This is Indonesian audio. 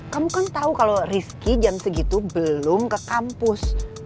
kamu kan tahu kalau rizky jam segitu belum ke kampus